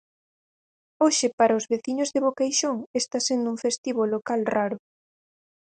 Hoxe para os veciños de Boqueixón está sendo un festivo local raro.